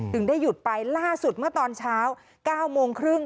ได้หยุดไปล่าสุดเมื่อตอนเช้า๙โมงครึ่ง